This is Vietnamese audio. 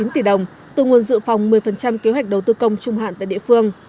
năm sáu trăm tám mươi chín tỷ đồng từ nguồn dự phòng một mươi kế hoạch đầu tư công trung hạn tại địa phương